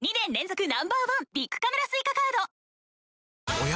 おや？